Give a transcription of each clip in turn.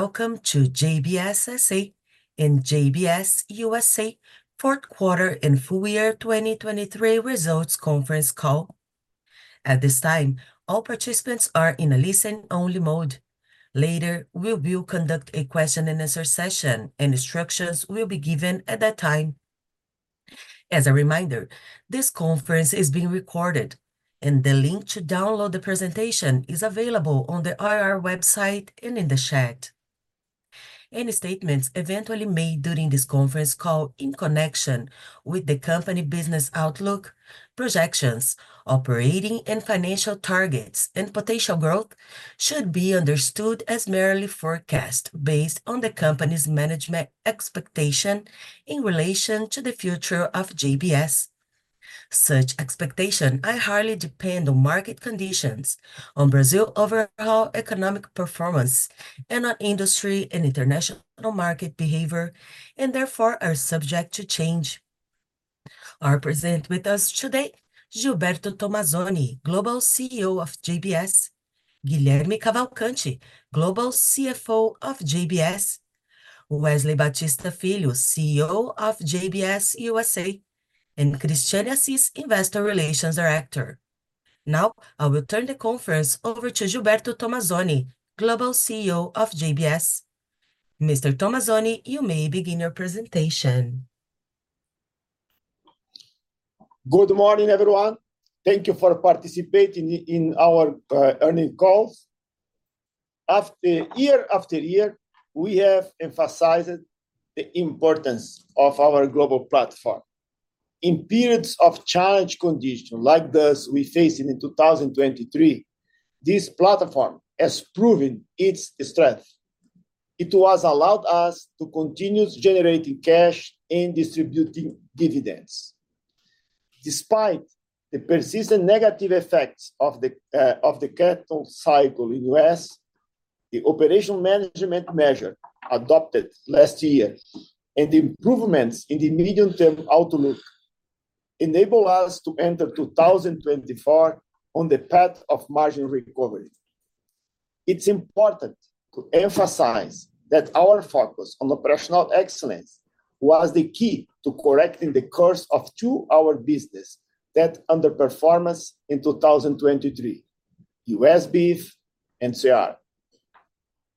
Welcome to JBS S.A. and JBS USA Fourth Quarter and FY 2023 Results Conference Call. At this time, all participants are in a listen-only mode. Later, we will conduct a question-and-answer session, and instructions will be given at that time. As a reminder, this conference is being recorded, and the link to download the presentation is available on the IR website and in the chat. Any statements eventually made during this conference call in connection with the company business outlook, projections, operating and financial targets, and potential growth should be understood as merely forecasts based on the company's management expectation in relation to the future of JBS. Such expectations highly depend on market conditions, on Brazil's overall economic performance, and on industry and international market behavior, and therefore are subject to change. Are present with us today Gilberto Tomazoni, Global CEO of JBS, Guilherme Cavalcanti, Global CFO of JBS, Wesley Batista Filho, CEO of JBS USA, and Christiane Assis, Investor Relations Director. Now I will turn the conference over to Gilberto Tomazoni, Global CEO of JBS. Mr. Tomazoni, you may begin your presentation. Good morning, everyone. Thank you for participating in our earnings call. Year after year, we have emphasized the importance of our global platform. In periods of challenging conditions like those we faced in 2023, this platform has proven its strength. It has allowed us to continue generating cash and distributing dividends. Despite the persistent negative effects of the cattle cycle in the U.S., the operational management measure adopted last year and the improvements in the medium-term outlook enable us to enter 2024 on the path of margin recovery. It's important to emphasize that our focus on operational excellence was the key to correcting the course of two of our businesses that underperformed in 2023: U.S. Beef and CR.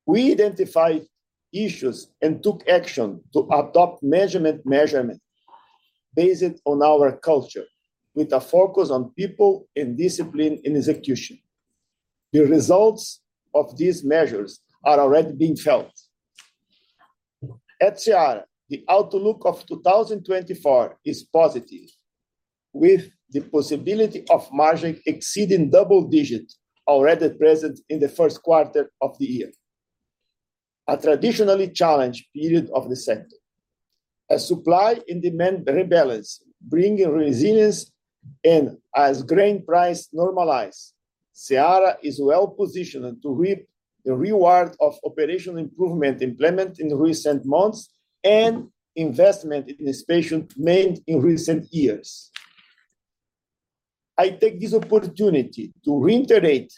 We identified issues and took action to adopt management measures based on our culture, with a focus on people and discipline in execution. The results of these measures are already being felt. At CR, the outlook of 2024 is positive, with the possibility of margin exceeding double digits already present in the first quarter of the year, a traditionally challenged period of the sector. As supply and demand rebalance bring resilience and as grain prices normalize, CR is well positioned to reap the rewards of operational improvements implemented in the recent months and investments in expansion made in recent years. I take this opportunity to reiterate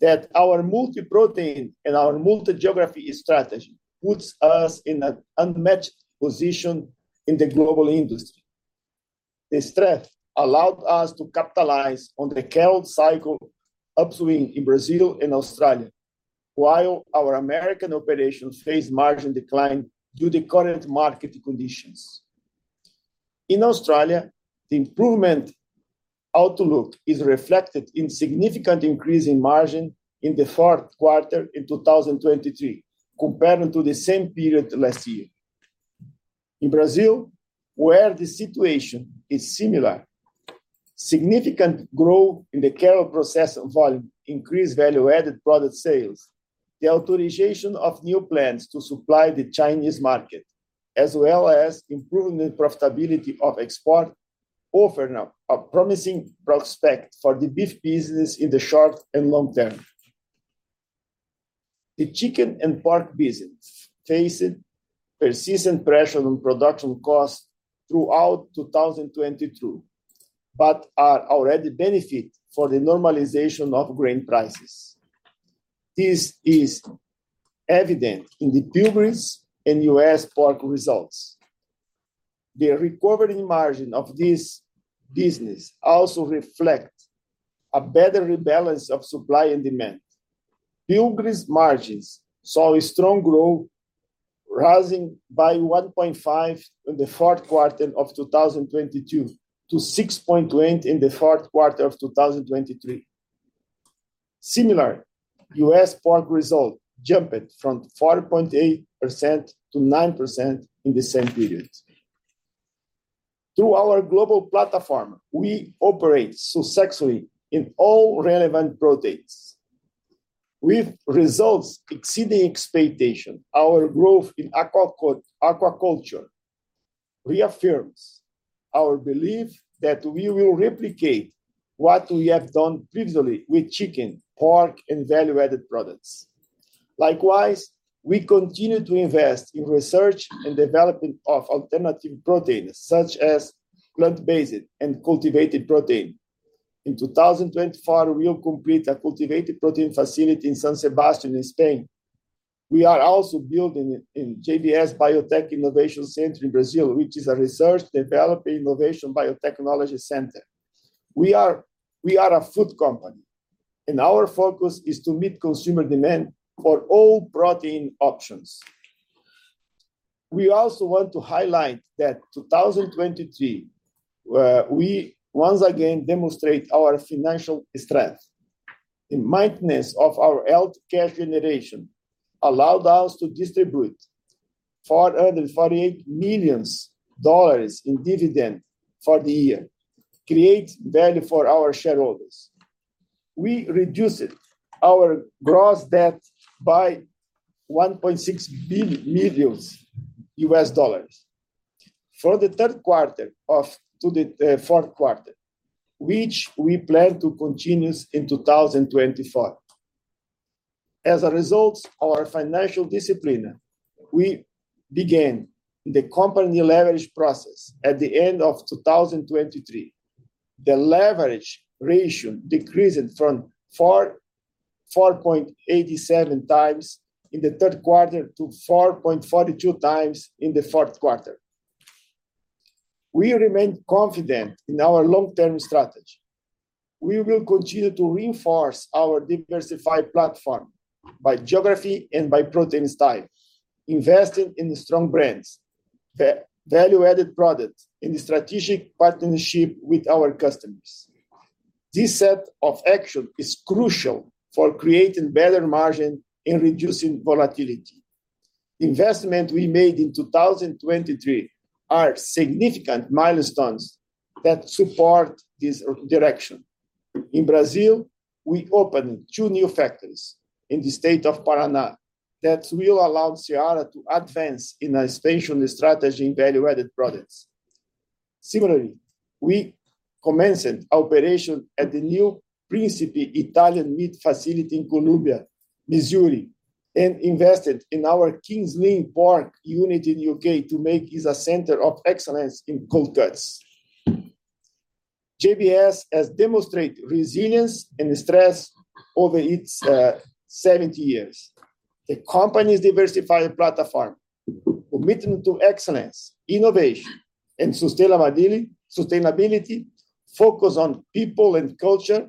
that our multi-protein and our multi-geography strategy puts us in an unmatched position in the global industry. The strength allowed us to capitalize on the cattle cycle upswing in Brazil and Australia, while our American operations face margin decline due to current market conditions. In Australia, the improvement outlook is reflected in a significant increase in margin in the fourth quarter in 2023, compared to the same period last year. In Brazil, where the situation is similar, significant growth in the carry-on process volume, increased value-added product sales, the authorization of new plants to supply the Chinese market, as well as improving the profitability of export, offer a promising prospect for the beef business in the short and long term. The chicken and pork business faced persistent pressure on production costs throughout 2022 but are already benefiting from the normalization of grain prices. This is evident in the Pilgrim's Pride and U.S. Pork results. The recovering margin of this business also reflects a better rebalance of supply and demand. Pilgrim's Pride margins saw a strong growth, rising by 1.5% in the fourth quarter of 2022 to 6.2% in the fourth quarter of 2023. Similarly, U.S. Pork results jumped from 4.8%-9% in the same period. Through our global platform, we operate successfully in all relevant proteins. With results exceeding expectations, our growth in aquaculture reaffirms our belief that we will replicate what we have done previously with chicken, pork, and value-added products. Likewise, we continue to invest in research and development of alternative proteins, such as plant-based and cultivated protein. In 2024, we will complete a cultivated protein facility in San Sebastián, Spain. We are also building a JBS Biotech Innovation Center in Brazil, which is a research, development, and innovation biotechnology center. We are a food company, and our focus is to meet consumer demand for all protein options. We also want to highlight that in 2023, we once again demonstrated our financial strength. The maintenance of our healthy cash generation allowed us to distribute $448 million in dividends for the year, creating value for our shareholders. We reduced our gross debt by $1.6 billion from the third quarter to the fourth quarter, which we plan to continue in 2024. As a result of our financial discipline, we began the company leverage process at the end of 2023. The leverage ratio decreased from 4.87x in the third quarter to 4.42x in the fourth quarter. We remain confident in our long-term strategy. We will continue to reinforce our diversified platform by geography and by protein style, investing in strong brands, value-added products, and strategic partnerships with our customers. This set of actions is crucial for creating better margins and reducing volatility. The investments we made in 2023 are significant milestones that support this direction. In Brazil, we opened two new factories in the state of Paraná that will allow CR to advance in its expansion strategy and value-added products. Similarly, we commenced operations at the new Principe Italian Meat Facility in Columbia, Missouri, and invested in our King's Lynn Pork Unit in the U.K. to make it a center of excellence in cold cuts. JBS has demonstrated resilience and strength over its 70 years. The company's diversified platform, committed to excellence, innovation, and sustainability, focused on people and culture,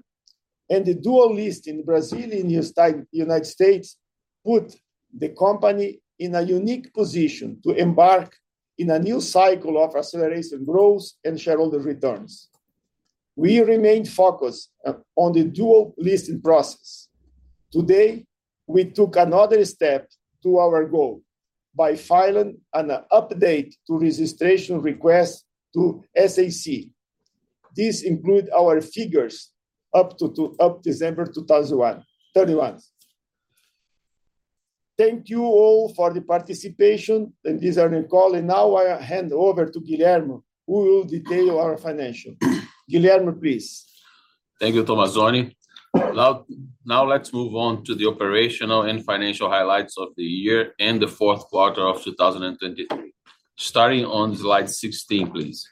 and the dual listing in Brazil and the United States put the company in a unique position to embark on a new cycle of acceleration growth and shareholder returns. We remain focused on the dual listing process. Today, we took another step towards our goal by filing an update to the registration request to the SEC. This includes our figures up to December 2021. Thank you all for the participation in this earnings call, and now I hand over to Guilherme, who will detail our financials. Guilherme, please. Thank you, Tomazoni. Now let's move on to the operational and financial highlights of the year and the fourth quarter of 2023. Starting on slide 16, please.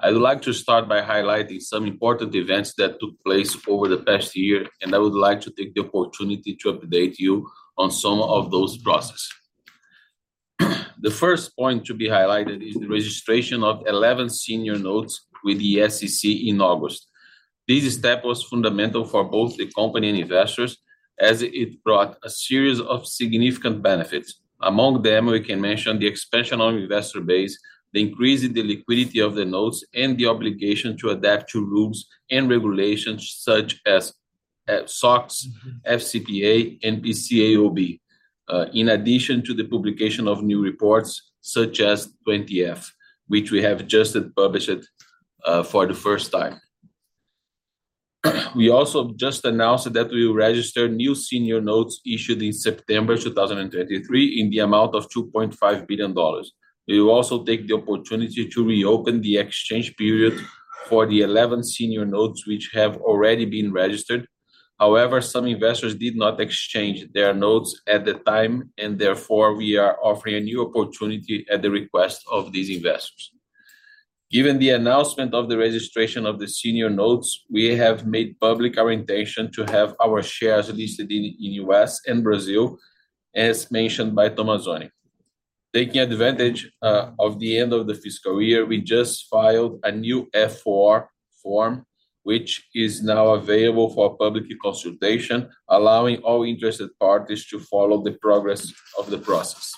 I would like to start by highlighting some important events that took place over the past year, and I would like to take the opportunity to update you on some of those processes. The first point to be highlighted is the registration of 11 senior notes with the SEC in August. This step was fundamental for both the company and investors, as it brought a series of significant benefits. Among them, we can mention the expansion of the investor base, the increase in the liquidity of the notes, and the obligation to adapt to rules and regulations such as SOX, FCPA, and PCAOB, in addition to the publication of new reports such as 20-F, which we have just published for the first time. We also just announced that we will register new senior notes issued in September 2023 in the amount of $2.5 billion. We will also take the opportunity to reopen the exchange period for the 11 senior notes which have already been registered. However, some investors did not exchange their notes at the time, and therefore we are offering a new opportunity at the request of these investors. Given the announcement of the registration of the senior notes, we have made public our intention to have our shares listed in the U.S. and Brazil, as mentioned by Tomazoni. Taking advantage of the end of the fiscal year, we just filed a new Form F-4, which is now available for public consultation, allowing all interested parties to follow the progress of the process.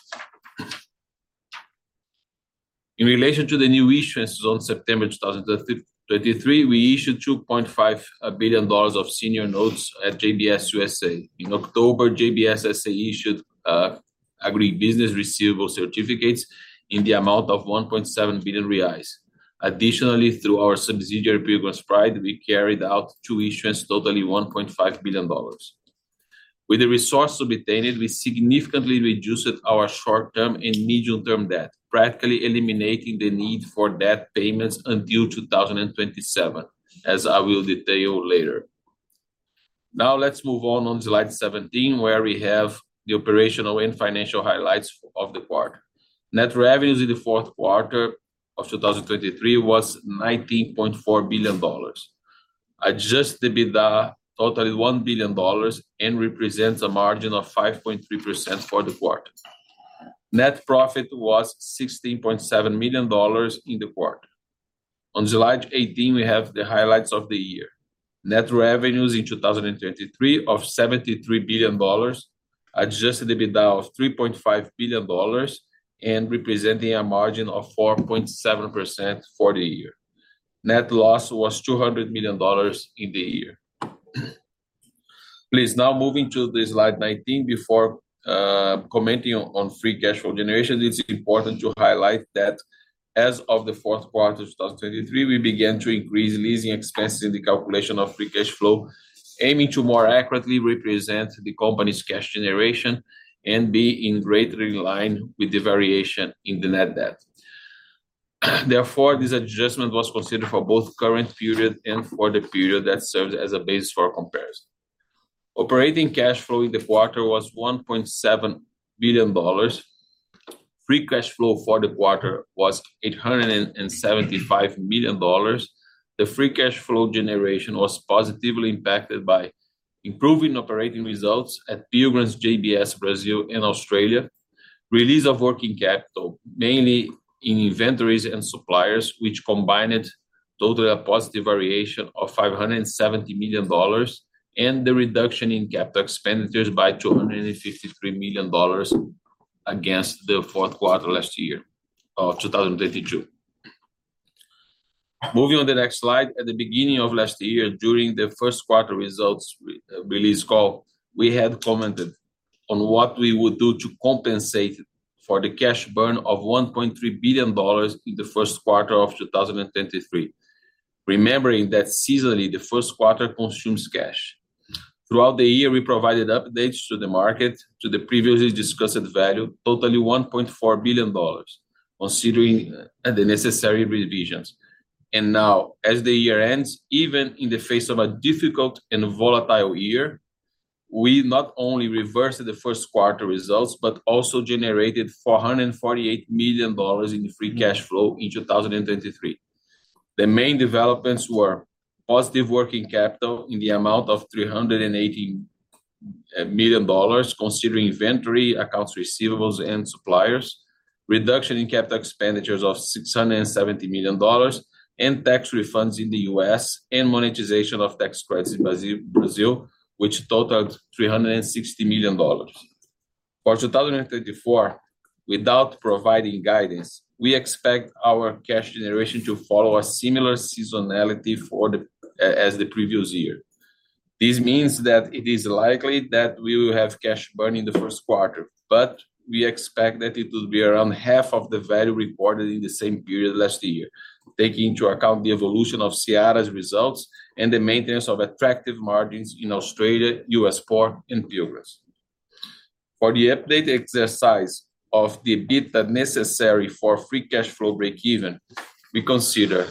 In relation to the new issuance on September 2023, we issued $2.5 billion of senior notes at JBS USA. In October, JBS S.A. issued Agribusiness Receivables Certificates in the amount of 1.7 billion reais. Additionally, through our subsidiary Pilgrim's Pride, we carried out two issuances, totaling $1.5 billion. With the resources obtained, we significantly reduced our short-term and medium-term debt, practically eliminating the need for debt payments until 2027, as I will detail later. Now let's move on to slide 17, where we have the operational and financial highlights of the quarter. Net revenues in the fourth quarter of 2023 were $19.4 billion, adjusted to a total of $1 billion, and represent a margin of 5.3% for the quarter. Net profit was $16.7 million in the quarter. On slide 18, we have the highlights of the year. Net revenues in 2023 were $73 billion, adjusted to a total of $3.5 billion, and represent a margin of 4.7% for the year. Net loss was $200 million in the year. Please, now moving to slide 19. Before commenting on free cash flow generation, it's important to highlight that as of the fourth quarter of 2023, we began to increase leasing expenses in the calculation of free cash flow, aiming to more accurately represent the company's cash generation and be in greater alignment with the variation in the net debt. Therefore, this adjustment was considered for both the current period and for the period that serves as a basis for comparison. Operating cash flow in the quarter was $1.7 billion. Free cash flow for the quarter was $875 million. The free cash flow generation was positively impacted by improving operating results at Pilgrim's, JBS Brazil, and Australia, release of working capital, mainly in inventories and suppliers, which combined totally a positive variation of $570 million, and the reduction in capital expenditures by $253 million against the fourth quarter of 2022. Moving on to the next slide. At the beginning of last year, during the first quarter results release call, we had commented on what we would do to compensate for the cash burn of $1.3 billion in the first quarter of 2023, remembering that seasonally the first quarter consumes cash. Throughout the year, we provided updates to the market to the previously discussed value, totally $1.4 billion, considering the necessary revisions. And now, as the year ends, even in the face of a difficult and volatile year, we not only reversed the first quarter results but also generated $448 million in free cash flow in 2023. The main developments were positive working capital in the amount of $380 million, considering inventory, accounts receivables, and suppliers, reduction in capital expenditures of $670 million, and tax refunds in the U.S., and monetization of tax credits in Brazil, which totaled $360 million. For 2024, without providing guidance, we expect our cash generation to follow a similar seasonality as the previous year. This means that it is likely that we will have cash burn in the first quarter, but we expect that it will be around half of the value recorded in the same period last year, taking into account the evolution of CR's results and the maintenance of attractive margins in Australia, U.S. pork, and Pilgrim's. For the updated exercise of the debt necessary for free cash flow break-even, we consider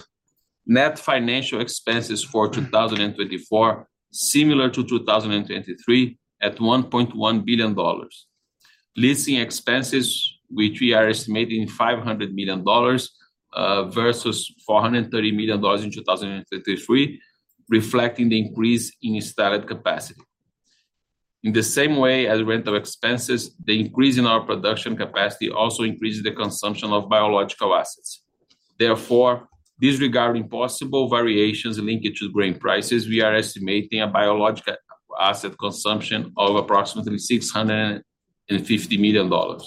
net financial expenses for 2024 similar to 2023 at $1.1 billion. Leasing expenses, which we are estimating at $500 million versus $430 million in 2023, reflect the increase in installed capacity. In the same way as rental expenses, the increase in our production capacity also increases the consumption of biological assets. Therefore, disregarding possible variations linked to grain prices, we are estimating a biological asset consumption of approximately $650 million.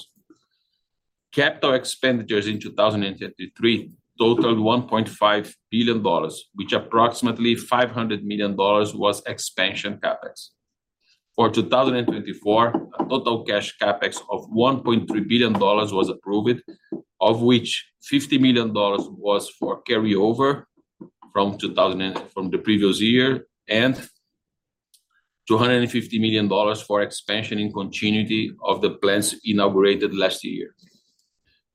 Capital expenditures in 2023 totaled $1.5 billion, which approximately $500 million was expansion CapEx. For 2024, a total cash CapEx of $1.3 billion was approved, of which $50 million was for carryover from the previous year and $250 million for expansion and continuity of the plants inaugurated last year.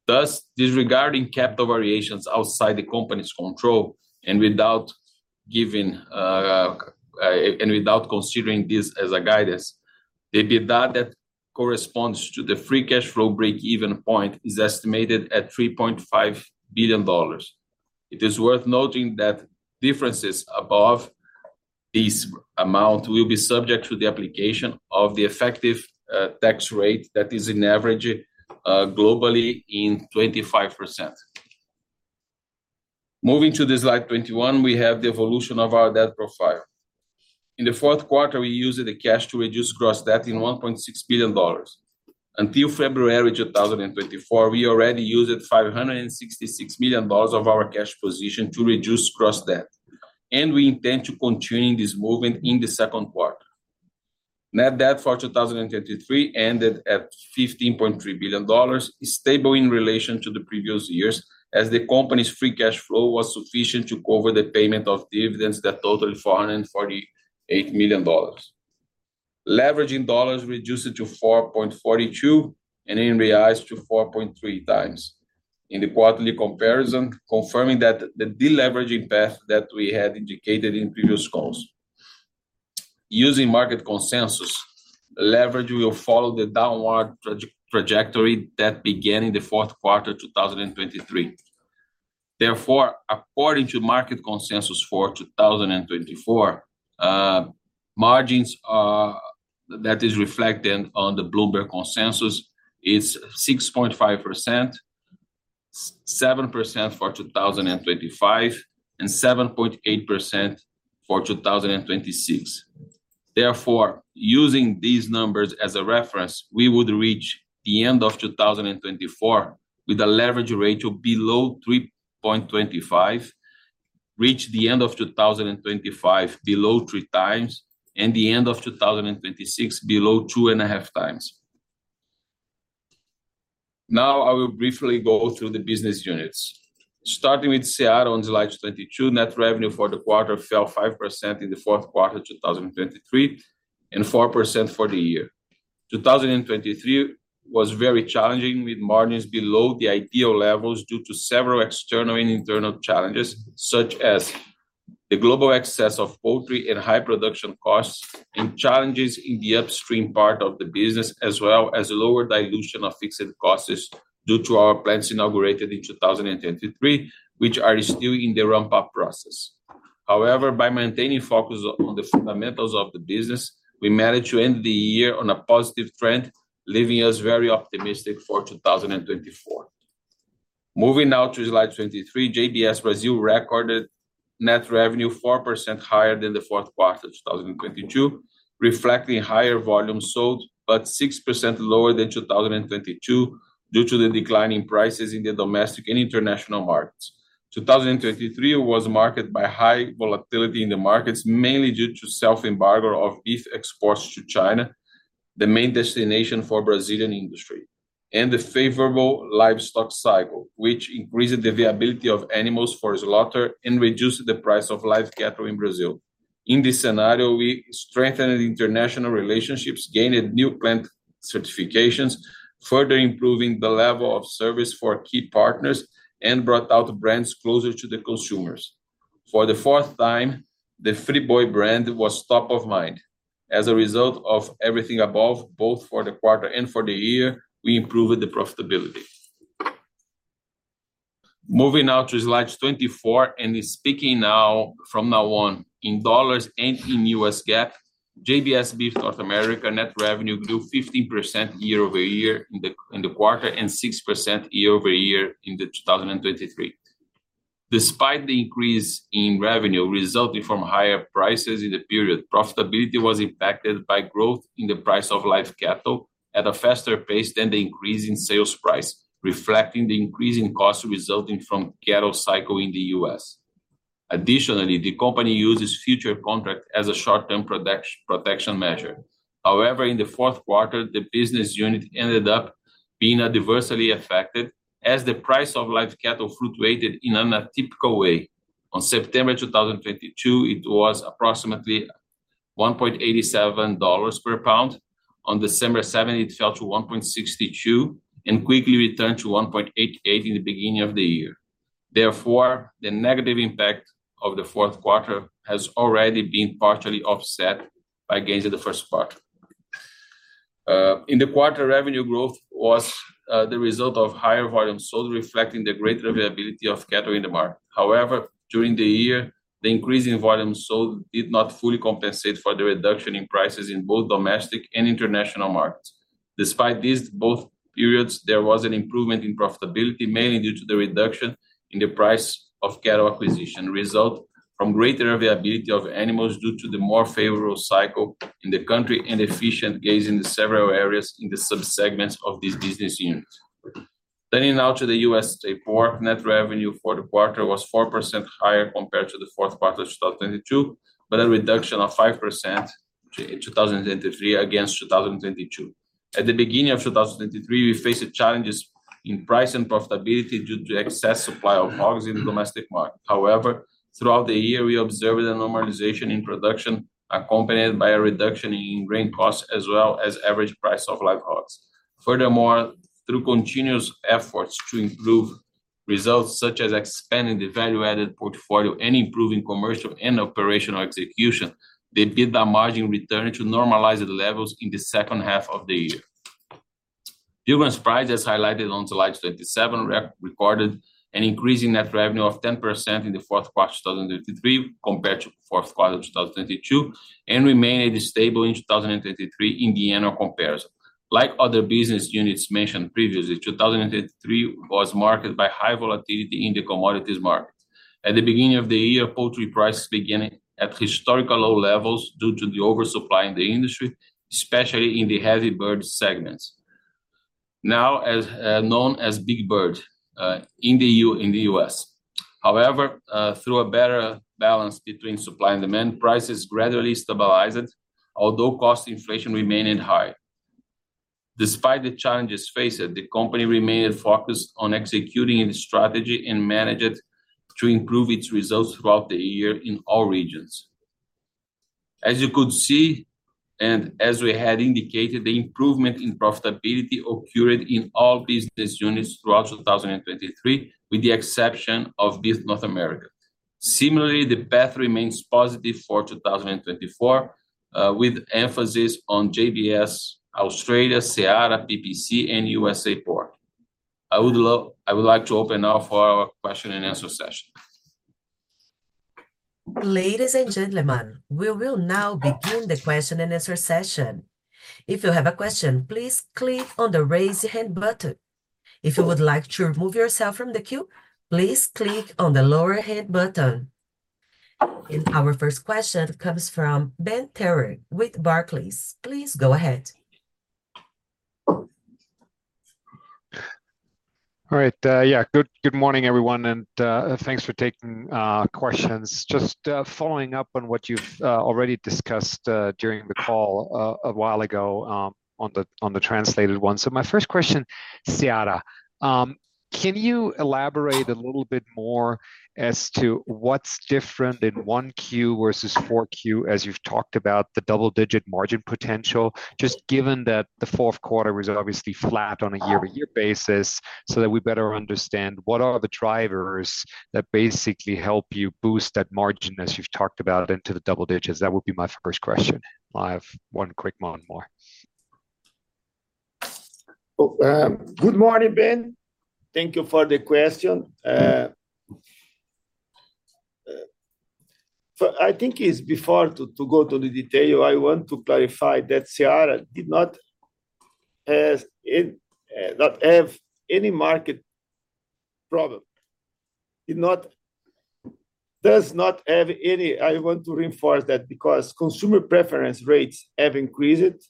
Thus, disregarding capital variations outside the company's control and without considering this as a guidance, the bit that corresponds to the free cash flow break-even point is estimated at $3.5 billion. It is worth noting that differences above this amount will be subject to the application of the effective tax rate that is on average globally at 25%. Moving to slide 21, we have the evolution of our debt profile. In the fourth quarter, we used the cash to reduce gross debt by $1.6 billion. Until February 2024, we already used $566 million of our cash position to reduce gross debt, and we intend to continue this movement in the second quarter. Net debt for 2023 ended at $15.3 billion, stable in relation to the previous years as the company's free cash flow was sufficient to cover the payment of dividends that totaled $448 million. Leverage in dollars reduced to 4.42 and then revised to 4.3x in the quarterly comparison, confirming the deleveraging path that we had indicated in previous calls. Using market consensus, leverage will follow the downward trajectory that began in the fourth quarter of 2023. Therefore, according to market consensus for 2024, margins that are reflected on the Bloomberg consensus are 6.5%, 7% for 2025, and 7.8% for 2026. Therefore, using these numbers as a reference, we would reach the end of 2024 with a leverage ratio below 3.25x, reach the end of 2025 below 3x, and the end of 2026 below 2.5x. Now I will briefly go through the business units. Starting with CR on slide 22, net revenue for the quarter fell 5% in the fourth quarter of 2023 and 4% for the year. 2023 was very challenging with margins below the ideal levels due to several external and internal challenges, such as the global excess of poultry and high production costs and challenges in the upstream part of the business, as well as lower dilution of fixed costs due to our plants inaugurated in 2023, which are still in the ramp-up process. However, by maintaining focus on the fundamentals of the business, we managed to end the year on a positive trend, leaving us very optimistic for 2024. Moving now to slide 23, JBS Brazil recorded net revenue 4% higher than the fourth quarter of 2022, reflecting higher volume sold but 6% lower than 2022 due to the declining prices in the domestic and international markets. 2023 was marked by high volatility in the markets, mainly due to self-embargo of beef exports to China, the main destination for the Brazilian industry, and the favorable livestock cycle, which increased the viability of animals for slaughter and reduced the price of live cattle in Brazil. In this scenario, we strengthened international relationships, gained new plant certifications, further improved the level of service for key partners, and brought out brands closer to the consumers. For the fourth time, the Friboi brand was top of mind. As a result of everything above, both for the quarter and for the year, we improved the profitability. Moving now to slide 24 and speaking now from now on, in dollars and in US GAAP, JBS Beef North America net revenue grew 15% year-over-year in the quarter and 6% year-over-year in 2023. Despite the increase in revenue resulting from higher prices in the period, profitability was impacted by growth in the price of live cattle at a faster pace than the increase in sales price, reflecting the increasing costs resulting from the cattle cycle in the U.S. Additionally, the company uses futures contracts as a short-term protection measure. However, in the fourth quarter, the business unit ended up being adversely affected as the price of live cattle fluctuated in an atypical way. In September 2022, it was approximately $1.87 per pound. On December 7th, it fell to $1.62 and quickly returned to $1.88 in the beginning of the year. Therefore, the negative impact of the fourth quarter has already been partially offset by gains in the first quarter. In the quarter, revenue growth was the result of higher volume sold, reflecting the greater availability of cattle in the market. However, during the year, the increase in volume sold did not fully compensate for the reduction in prices in both domestic and international markets. Despite this, both periods, there was an improvement in profitability, mainly due to the reduction in the price of cattle acquisition, resulting from greater availability of animals due to the more favorable cycle in the country and efficient gains in several areas in the subsegments of these business units. Turning now to the JBS USA Pork, net revenue for the quarter was 4% higher compared to the fourth quarter of 2022, but a reduction of 5% in 2023 against 2022. At the beginning of 2023, we faced challenges in price and profitability due to excess supply of hogs in the domestic market. However, throughout the year, we observed a normalization in production accompanied by a reduction in grain costs as well as the average price of live hogs. Furthermore, through continuous efforts to improve results such as expanding the value-added portfolio and improving commercial and operational execution, the EBIT margin returned to normalized levels in the second half of the year. Pilgrim's Pride, as highlighted on slide 27, recorded an increase in net revenue of 10% in the fourth quarter of 2023 compared to the fourth quarter of 2022 and remained stable in 2023 in the annual comparison. Like other business units mentioned previously, 2023 was marked by high volatility in the commodities markets. At the beginning of the year, poultry prices began at historical low levels due to the oversupply in the industry, especially in the heavy bird segments, now known as big birds in the U.S. However, through a better balance between supply and demand, prices gradually stabilized, although cost inflation remained high. Despite the challenges faced, the company remained focused on executing its strategy and managed to improve its results throughout the year in all regions. As you could see and as we had indicated, the improvement in profitability occurred in all business units throughout 2023, with the exception of Beef North America. Similarly, the path remains positive for 2024, with emphasis on JBS Australia, CR PPC, and USA Pork. I would like to open now for our question-and-answer session. Ladies and gentlemen, we will now begin the question-and-answer session. If you have a question, please click on the raise your hand button. If you would like to remove yourself from the queue, please click on the lower hand button. Our first question comes from Ben Theurer with Barclays. Please go ahead. All right. Yeah, good morning, everyone, and thanks for taking questions. Just following up on what you've already discussed during the call a while ago on the translated one. So my first question, CR, can you elaborate a little bit more as to what's different in Q1 versus Q4, as you've talked about the double-digit margin potential, just given that the fourth quarter was obviously flat on a year-over-year basis so that we better understand what are the drivers that basically help you boost that margin, as you've talked about, into the double digits? That would be my first question. I have one quick one more. Good morning, Ben. Thank you for the question. I think before going into detail, I want to clarify that CR did not have any market problem, does not have any. I want to reinforce that because consumer preference rates have increased.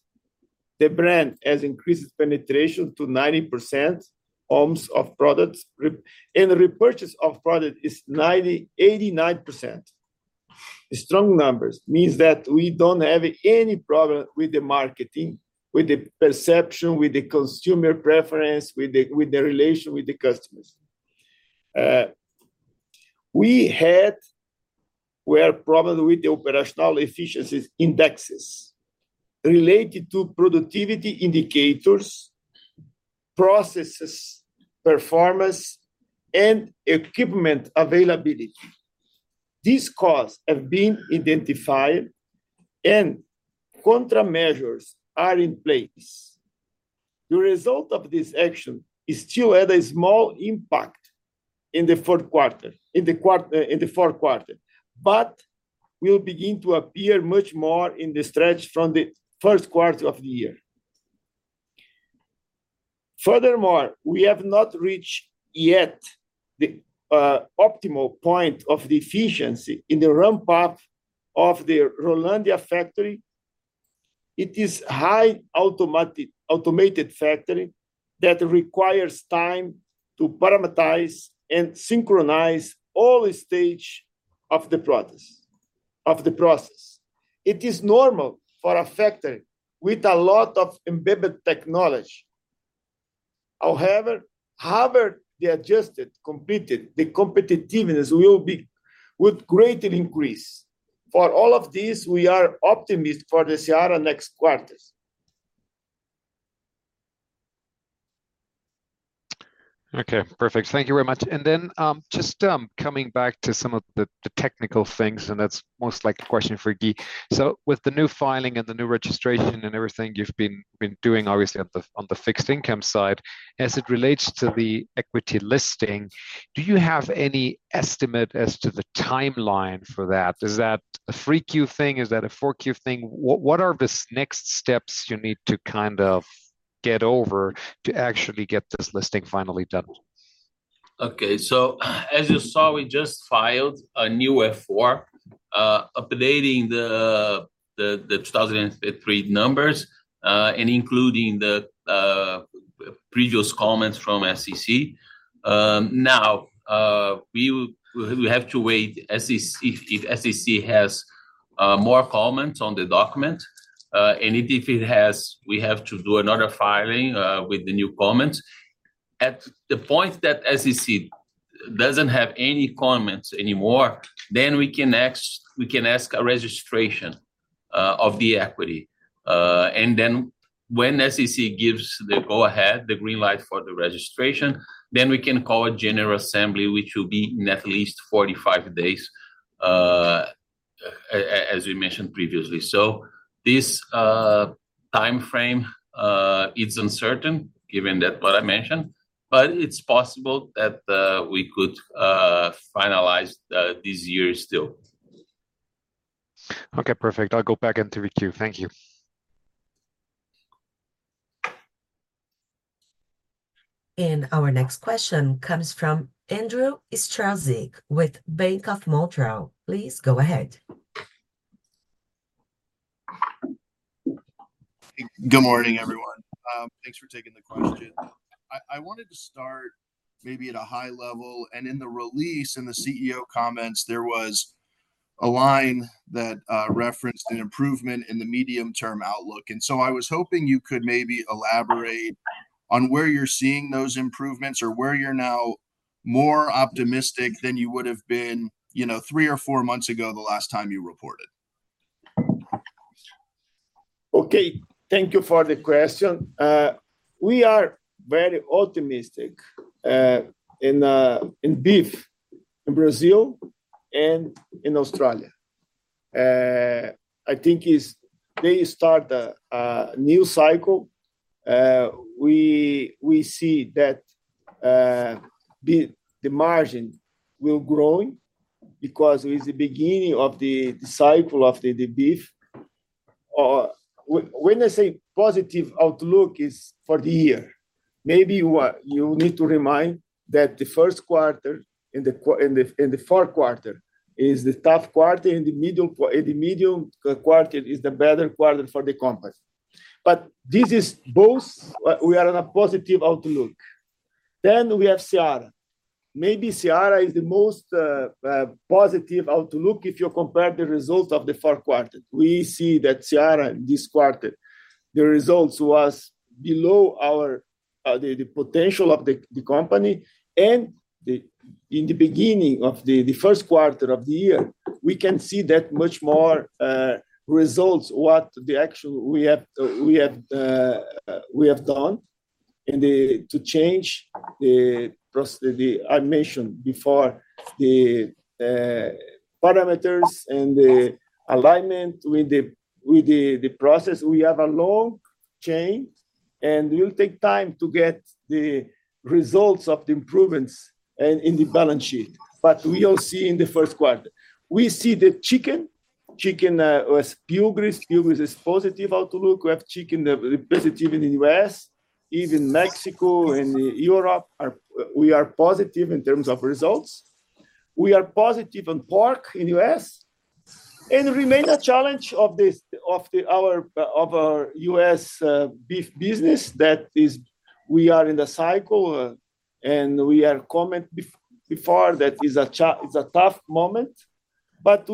The brand has increased penetration to 90%, owns of products, and repurchase of products is 89%. Strong numbers mean that we don't have any problem with the marketing, with the perception, with the consumer preference, with the relation with the customers. We had problems with the operational efficiencies indexes related to productivity indicators, processes, performance, and equipment availability. These costs have been identified, and countermeasures are in place. The result of this action still had a small impact in the fourth quarter, but will begin to appear much more in the stretch from the first quarter of the year. Furthermore, we have not reached yet the optimal point of the efficiency in the ramp-up of the Rolândia factory. It is a highly automated factory that requires time to parameterize and synchronize all stages of the process. It is normal for a factory with a lot of embedded technology. However, however they adjusted, completed, the competitiveness will greatly increase. For all of this, we are optimistic for the CR next quarter. Okay, perfect. Thank you very much. And then just coming back to some of the technical things, and that's mostly a question for Guy. So with the new filing and the new registration and everything you've been doing, obviously, on the fixed income side, as it relates to the equity listing, do you have any estimate as to the timeline for that? Is that a Q3 thing? Is that a Q4 thing? What are the next steps you need to kind of get over to actually get this listing finally done? Okay. So as you saw, we just filed a new F-4, updating the 2023 numbers and including the previous comments from SEC. Now, we have to wait if SEC has more comments on the document, and if it has, we have to do another filing with the new comments. At the point that SEC doesn't have any comments anymore, then we can ask a registration of the equity. And then when SEC gives the go-ahead, the green light for the registration, then we can call a general assembly, which will be in at least 45 days, as we mentioned previously. So this timeframe, it's uncertain given what I mentioned, but it's possible that we could finalize this year still. Okay, perfect. I'll go back into the queue. Thank you. Our next question comes from Andrew Strelzik with Bank of Montreal. Please go ahead. Good morning, everyone. Thanks for taking the question. I wanted to start maybe at a high level. In the release and the CEO comments, there was a line that referenced an improvement in the medium-term outlook. So I was hoping you could maybe elaborate on where you're seeing those improvements or where you're now more optimistic than you would have been three or four months ago the last time you reported. Okay. Thank you for the question. We are very optimistic in beef in Brazil and in Australia. I think they started a new cycle. We see that the margin will be growing because it's the beginning of the cycle of the beef. When I say positive outlook, it's for the year. Maybe you need to remind that the first quarter and the fourth quarter is the tough quarter, and the medium quarter is the better quarter for the company. But this is both we are on a positive outlook. Then we have CR. Maybe CR is the most positive outlook if you compare the results of the fourth quarter. We see that CR in this quarter, the results were below the potential of the company. In the beginning of the first quarter of the year, we can see that much more results, what the action we have done to change the I mentioned before, the parameters and the alignment with the process. We have a long chain, and it will take time to get the results of the improvements in the balance sheet, but we will see in the first quarter. We see the chicken. Chicken was pure grease. Pure grease is positive outlook. We have chicken positive in the U.S. Even Mexico and Europe, we are positive in terms of results. We are positive on pork in the U.S. It remains a challenge of our U.S. beef business that we are in the cycle, and we have commented before that it's a tough moment.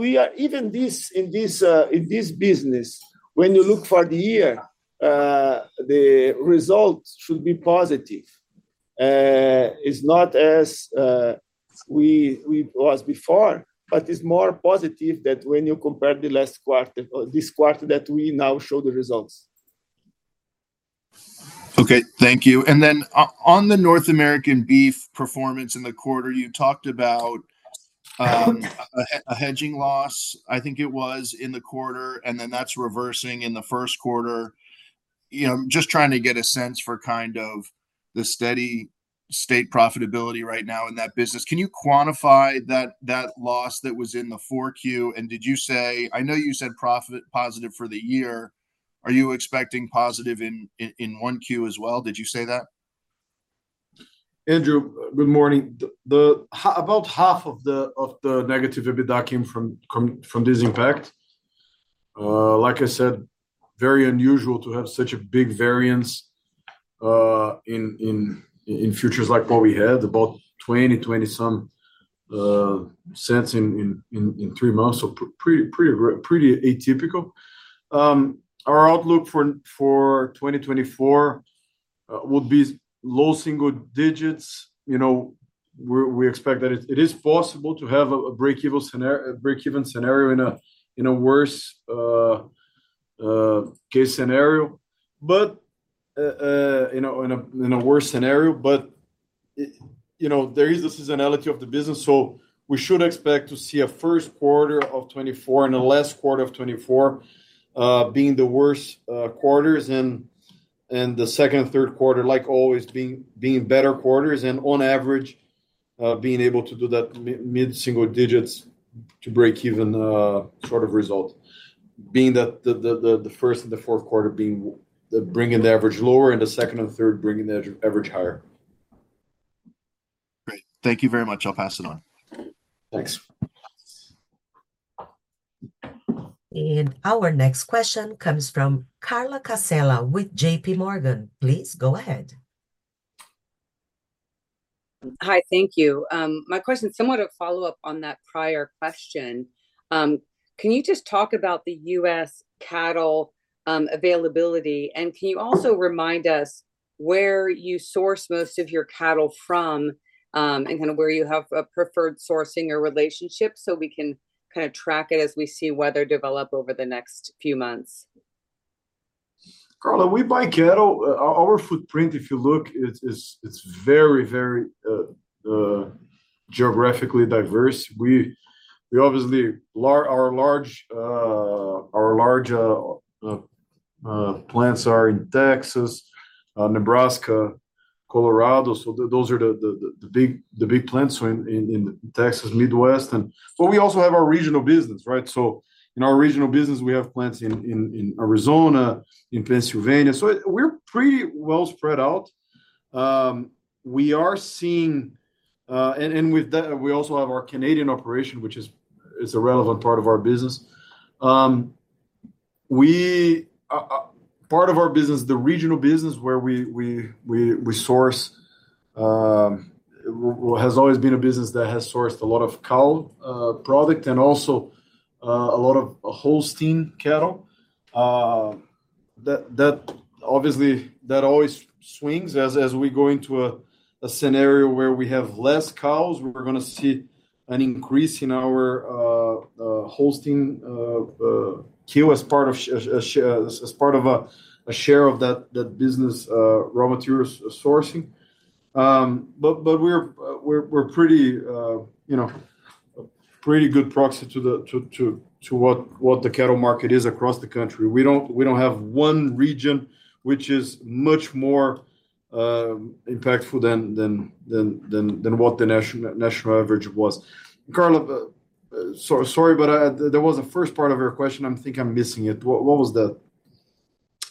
Even in this business, when you look for the year, the result should be positive. It's not as it was before, but it's more positive that when you compare the last quarter, this quarter that we now show the results. Okay, thank you. And then on the North American beef performance in the quarter, you talked about a hedging loss, I think it was, in the quarter, and then that's reversing in the first quarter. Just trying to get a sense for kind of the steady state profitability right now in that business. Can you quantify that loss that was in the Q4? And did you say? I know you said positive for the year. Are you expecting positive in Q1 as well? Did you say that? Andrew, good morning. About half of the negative EBITDA came from this impact. Like I said, very unusual to have such a big variance in futures like what we had, about $0.20-$0.20-something in three months, so pretty atypical. Our outlook for 2024 would be low single digits. We expect that it is possible to have a break-even scenario in a worse case scenario, but in a worse scenario, but there is the seasonality of the business. So we should expect to see a first quarter of 2024 and a last quarter of 2024 being the worst quarters and the second and third quarter, like always, being better quarters and, on average, being able to do that mid-single digits to break-even sort of result, being that the first and the fourth quarter bringing the average lower and the second and third bringing the average higher. Great. Thank you very much. I'll pass it on. Thanks. Our next question comes from Carla Casella with J.P. Morgan. Please go ahead. Hi, thank you. My question is somewhat a follow-up on that prior question. Can you just talk about the U.S. cattle availability? And can you also remind us where you source most of your cattle from and kind of where you have a preferred sourcing or relationship so we can kind of track it as we see weather develop over the next few months? Carla, we buy cattle. Our footprint, if you look, it's very, very geographically diverse. Our large plants are in Texas, Nebraska, Colorado. So those are the big plants, so in Texas, Midwest. But we also have our regional business, right? So in our regional business, we have plants in Arizona, in Pennsylvania. So we're pretty well spread out. We are seeing and we also have our Canadian operation, which is a relevant part of our business. Part of our business, the regional business where we source, has always been a business that has sourced a lot of cow product and also a lot of Holstein cattle. Obviously, that always swings. As we go into a scenario where we have less cows, we're going to see an increase in our Holstein kill as part of a share of that business raw materials sourcing. But we're a pretty good proxy to what the cattle market is across the country. We don't have one region which is much more impactful than what the national average was. Carla, sorry, but there was a first part of your question. I think I'm missing it. What was that?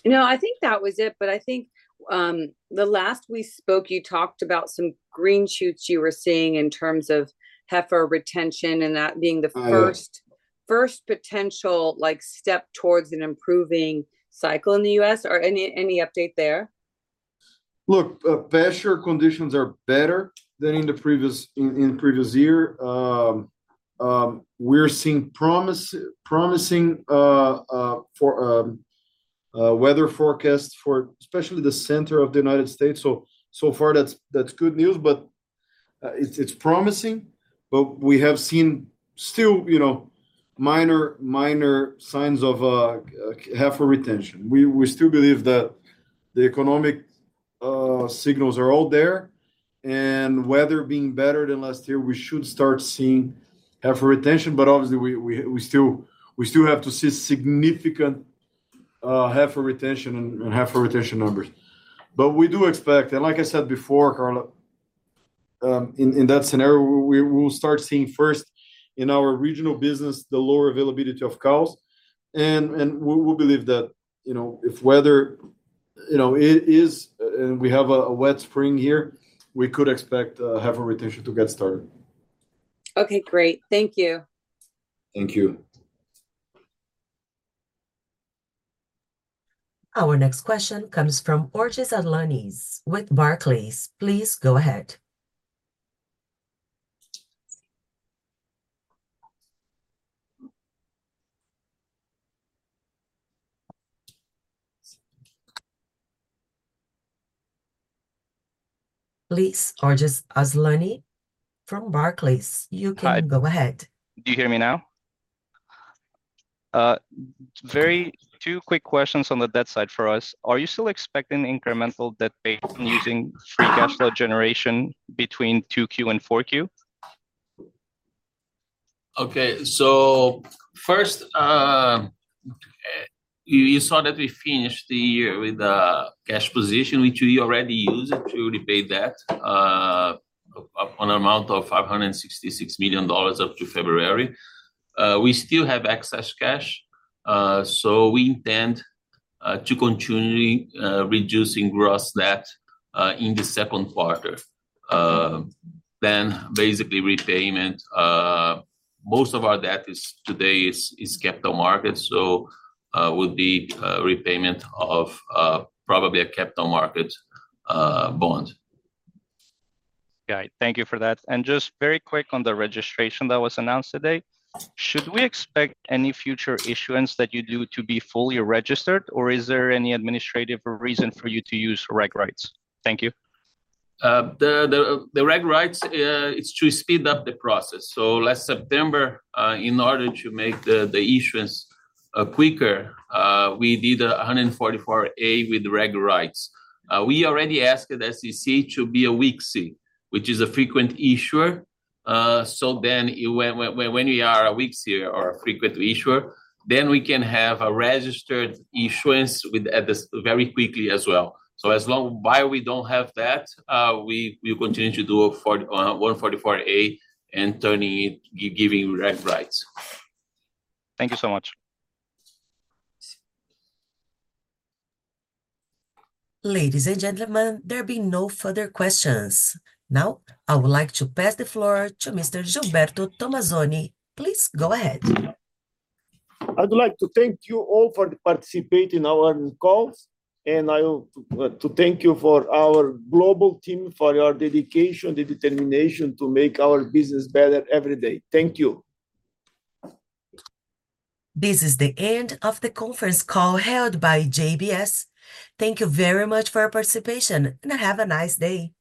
No, I think that was it. But I think the last we spoke, you talked about some green shoots you were seeing in terms of heifer retention and that being the first potential step towards an improving cycle in the U.S. Any update there? Look, pasture conditions are better than in the previous year. We're seeing promising weather forecasts for especially the center of the United States. So far, that's good news, but it's promising. But we have seen still minor signs of heifer retention. We still believe that the economic signals are all there. And weather being better than last year, we should start seeing heifer retention. But obviously, we still have to see significant heifer retention and heifer retention numbers. But we do expect, and like I said before, Carla, in that scenario, we will start seeing first in our regional business, the lower availability of cows. And we believe that if weather is and we have a wet spring here, we could expect heifer retention to get started. Okay, great. Thank you. Thank you. Our next question comes from Orges Asllani with Barclays. Please go ahead. This is Orges Asllani from Barclays. You can go ahead. Do you hear me now? Two quick questions on the debt side for us. Are you still expecting incremental debt based on using free cash flow generation between 2Q and 4Q? Okay. So first, you saw that we finished the year with a cash position, which we already used to repay debt on an amount of $566 million up to February. We still have excess cash. So we intend to continue reducing gross debt in the second quarter. Then basically, repayment. Most of our debt today is capital markets, so it would be repayment of probably a capital market bond. Got it. Thank you for that. Just very quick on the registration that was announced today, should we expect any future issuance that you do to be fully registered, or is there any administrative reason for you to use reg rights? Thank you. The reg rights, it's to speed up the process. So last September, in order to make the issuance quicker, we did 144A with reg rights. We already asked SEC to be a week C, which is a frequent issuer. So then when we are a week C or a frequent issuer, then we can have a registered issuance very quickly as well. So as long as we don't have that, we continue to do 144A and giving reg rights. Thank you so much. Ladies and gentlemen, there have been no further questions. Now, I would like to pass the floor to Mr. Gilberto Tomazoni. Please go ahead. I'd like to thank you all for participating in our calls. I want to thank you for our global team, for your dedication, the determination to make our business better every day. Thank you. This is the end of the conference call held by JBS. Thank you very much for your participation, and have a nice day.